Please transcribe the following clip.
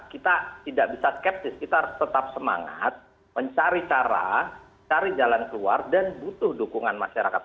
kita tidak bisa skeptis kita harus tetap semangat mencari cara cari jalan keluar dan butuh dukungan masyarakat